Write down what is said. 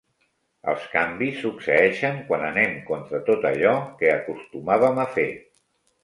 Els canvis succeeixen quan anem contra tot allò que acostumàvem a fer.